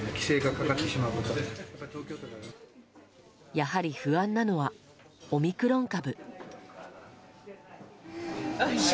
やはり不安なのはオミクロン株。